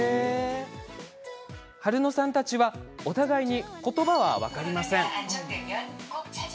春乃さんたちはお互いにことばは分かりません。